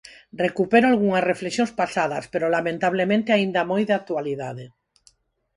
Recupero algunhas reflexións pasadas pero lamentablemente aínda moi de actualidade.